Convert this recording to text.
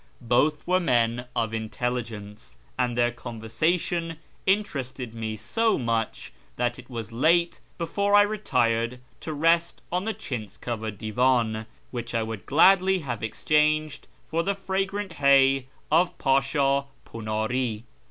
Both were men of intelligence, and their conversation interested me so much that it was late before I retired to rest on the chintz covered divan, which I would gladly have exchanged for the fragrant hay of Pasha punari.